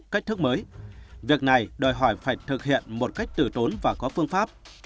cách thức mới việc này đòi hỏi phải thực hiện một cách tử tốn và có phương pháp